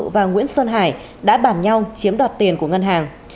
và nguyễn sơn hải đã bản nhau chiếm đoạt tiền của ngân hàng